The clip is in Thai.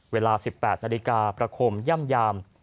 เวลา๑๘นาฬิกาประคมย่ำยาม